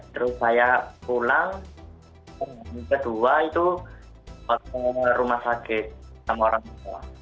terus saya pulang kedua itu ke rumah sakit sama orang tua